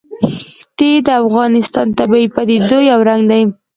ښتې د افغانستان د طبیعي پدیدو یو رنګ دی.